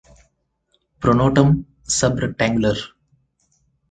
Pronotum sub rectangular.